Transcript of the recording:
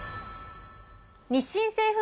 日清製粉